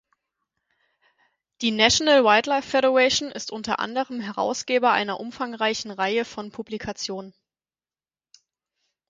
Die National Wildlife Federation ist unter anderem Herausgeber einer umfangreichen Reihe von Publikationen.